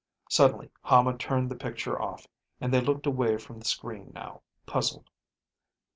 Suddenly Hama turned the picture off, and they looked away from the screen now, puzzled.